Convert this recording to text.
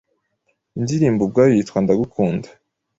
Indirimbo ubwayo yitwa Ndagukunda